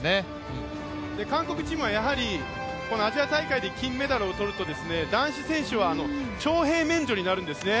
韓国チームはやはり、アジア大会で金メダルを取ると、男子選手は徴兵免除になるんですね。